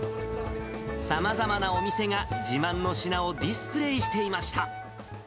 さまざまなお店が、自慢の品をディスプレーしていました。